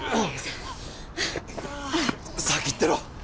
先行ってろ。